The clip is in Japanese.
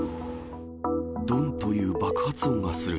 どんという爆発音がする。